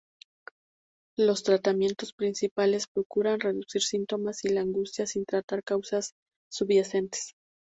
Los tratamientos principales procuran reducir síntomas y la angustia sin tratar causas subyacentes.